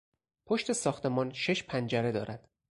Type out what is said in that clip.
پشت ساختمان شش پنجره دارد.